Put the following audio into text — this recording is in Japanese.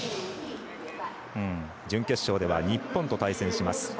準決勝では日本と対戦します。